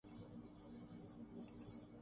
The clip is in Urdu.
میرے نانا ابو کو کتابیں پڑھنے کا شوق ہے